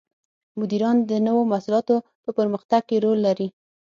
مدیران د نوو محصولاتو په پرمختګ کې رول لري.